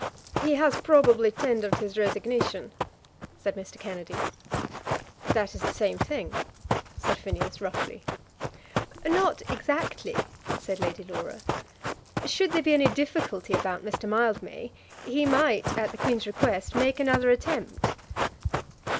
"He has probably tendered his resignation," said Mr. Kennedy. "That is the same thing," said Phineas, roughly. "Not exactly," said Lady Laura. "Should there be any difficulty about Mr. Mildmay, he might, at the Queen's request, make another attempt."